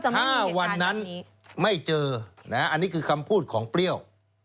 ถ้าวันนั้นไม่เจออันนี้คือคำพูดของเปรี้ยว